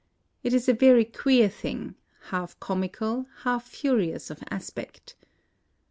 It is a very queer thing, — half comical, half furious of aspect.